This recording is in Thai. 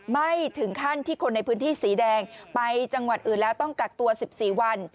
ไม่ถึงขั้นที่คนในพื้นที่สีแดงไปจังหวัดอื่นแล้วต้องกักตัว๑๔วัน